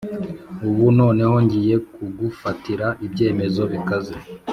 Ubu noneho ngiye kugufatira ibyemezo bikaze